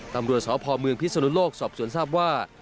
ตำรวจสพเมืองพิศนุโลกสอบสวนทราบว่า